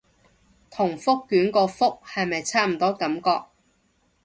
同覆卷個覆係咪差唔多感覺